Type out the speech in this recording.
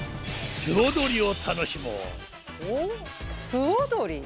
素踊り。